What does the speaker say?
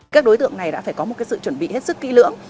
các đối tượng này đã phải có một sự chuẩn bị hết sức kỹ lưỡng